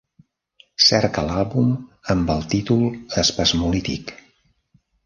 Cerca l'àlbum amb el títol Spasmolytic